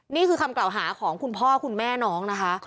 นี่คือคำกล่าวหาของคุณพ่อคุณแม่น้องนะคะ